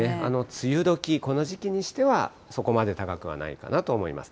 梅雨時、この時期にしては、そこまで高くはないかなと思います。